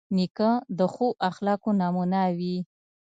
نیکه د ښو اخلاقو نمونه وي.